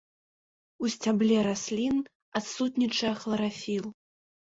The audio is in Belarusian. У сцябле раслін адсутнічае хларафіл.